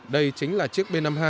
đây chính là chiếc b năm mươi hai